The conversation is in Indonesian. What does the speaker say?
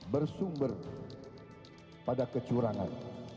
bersumber pada kecurangan